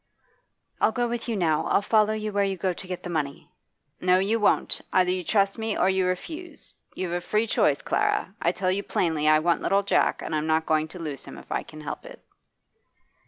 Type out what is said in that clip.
'I'll go with you now; I'll follow you where you go to get the money!' 'No, you won't. Either you trust me or you refuse. You've a free choice, Clara. I tell you plainly I want little Jack, and I'm not going to lose him if I can help it.